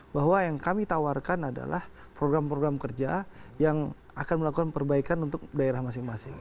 bahwa yang kami tawarkan adalah program program kerja yang akan melakukan perbaikan untuk daerah masing masing